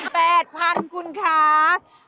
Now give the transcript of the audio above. ๘๐๐๐บาทคุณครับ